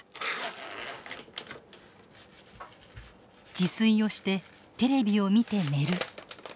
自炊をしてテレビを見て寝る。